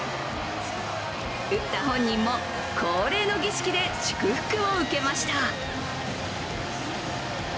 打った本人も恒例の儀式で祝福を受けました。